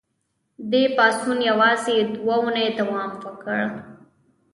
دې پاڅون یوازې دوه اونۍ دوام وکړ.